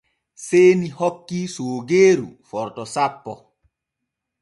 Seeni hokki soogeeru forto sappo.